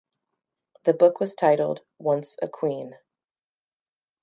The book was titled Once A Queen...